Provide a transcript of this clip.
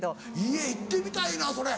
家行ってみたいなそれ。